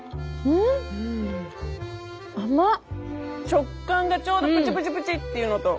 食感がちょうどプチプチプチッていうのと。